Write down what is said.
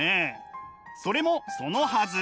それもそのはず。